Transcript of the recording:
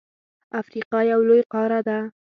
افریقا یو لوی قاره ده.